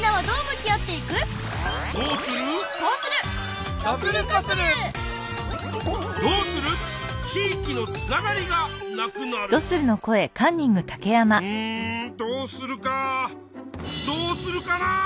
どうするかな？